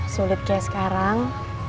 sulit kayak sekarang